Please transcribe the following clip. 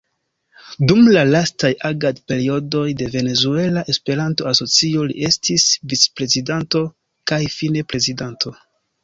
Dum la lastaj agad-periodoj de Venezuela Esperanto-Asocio li estis vicprezidanto kaj fine Prezidanto.